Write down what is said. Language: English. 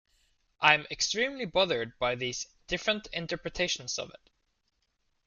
I'm extremely bothered by these different interpretations of it.